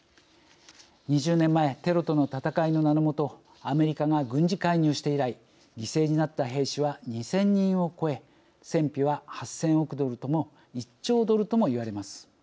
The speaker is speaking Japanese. ２０年前テロとの戦いの名のもとアメリカが軍事介入して以来犠牲になった兵士は２０００人を超え戦費は８０００億ドルとも１兆ドルともいわれます。